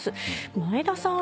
前田さん